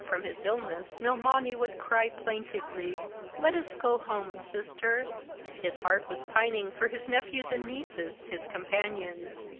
When he had recovered from his illness, Nilmani would cry plaintively: 'Let us go home, sister.' His heart was pining for his nephews and nieces, his companions.